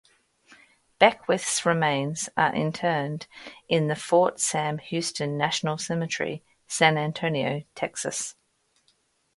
Beckwith's remains are interred in the Fort Sam Houston National Cemetery, San Antonio, Texas.